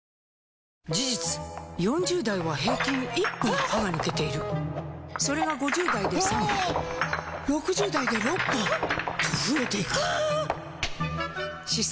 事実４０代は平均１本歯が抜けているそれが５０代で３本６０代で６本と増えていく歯槽